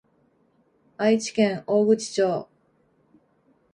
愛知県大口町